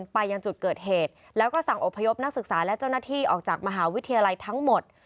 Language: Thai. เพื่อนักศึกษาและเจ้าหน้าที่ออกจากมหาวิทยาลัยทั้งหมด